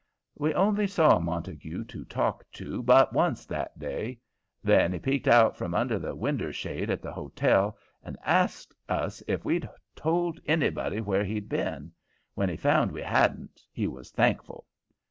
We only saw Montague to talk to but once that day. Then he peeked out from under the winder shade at the hotel and asked us if we'd told anybody where he'd been. When he found we hadn't, he was thankful.